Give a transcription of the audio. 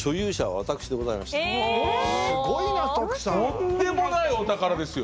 とんでもないお宝ですよ。